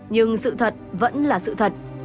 nhưng sự thật vẫn là sự thật